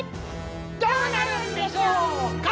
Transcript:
どうなるんでしょうか